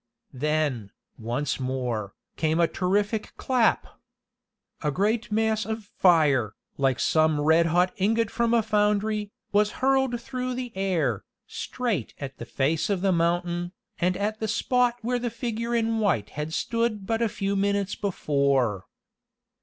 Then, once more, came a terrific clap! A great mass of fire, like some red hot ingot from a foundry, was hurled through the air, straight at the face of the mountain, and at the spot where the figure in white had stood but a few minutes before.